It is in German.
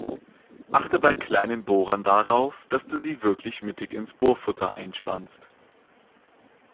Achte bei kleinen Bohrern darauf, dass du sie wirklich mittig ins Bohrfutter einspannst.